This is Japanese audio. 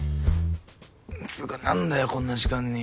つうか何だよこんな時間に。